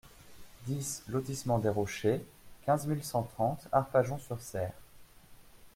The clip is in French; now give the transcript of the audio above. dix lotissement les Rochers, quinze mille cent trente Arpajon-sur-Cère